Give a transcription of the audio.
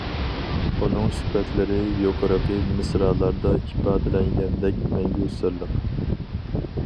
ئۇنىڭ سۈپەتلىرى يۇقىرىقى مىسرالاردا ئىپادىلەنگەندەك مەڭگۈ سىرلىق.